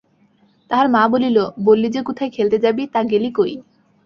তাহার মা বলিল, বললি যে কোথায় খেলতে যাবি, তা গেলি কই?